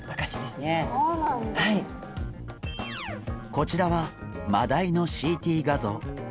こちらはマダイのＣＴ画像。